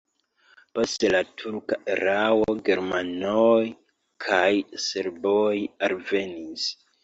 Post la turka erao germanoj kaj serboj alvenis.